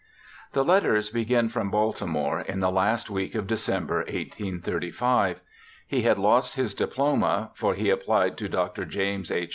The letters begin from Baltimore in the last week of December, 1835. He had lost his diploma, for he applied to Dr. James H.